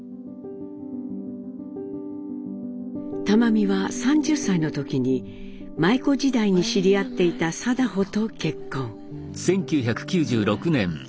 玉美は３０歳の時に舞妓時代に知り合っていた禎穗と結婚。